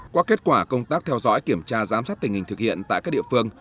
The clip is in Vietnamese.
qua kết quả công tác theo dõi kiểm tra giám sát tình hình thực hiện tại các địa phương